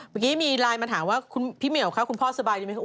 เมื่อกี้มีไลน์มาถามว่าคุณพี่เหมียวคะคุณพ่อสบายดีไหม